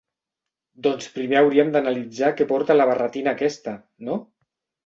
Doncs primer hauríem d'analitzar què porta la barretina aquesta, no?